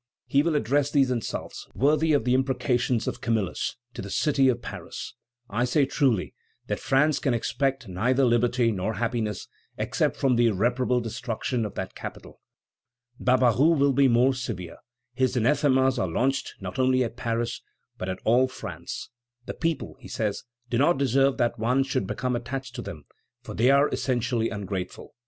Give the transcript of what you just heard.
He will address these insults, worthy of the imprecations of Camillus, to the city of Paris: "I say truly, that France can expect neither liberty nor happiness except from the irreparable destruction of that capital." Barbaroux will be still more severe. His anathemas are launched not only at Paris, but at all France. "The people," he says, "do not deserve that one should become attached to them, for they are essentially ungrateful.